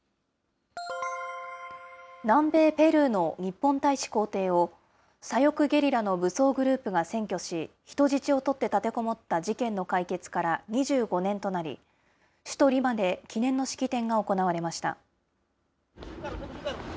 南米ペルーの日本大使公邸を、左翼ゲリラの武装グループが占拠し、人質を取って立てこもった事件の解決から２５年となり、首都リマで記念の式典が行われました。